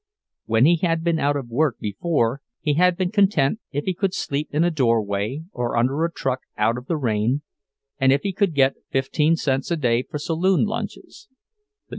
When he had been out of work before, he had been content if he could sleep in a doorway or under a truck out of the rain, and if he could get fifteen cents a day for saloon lunches.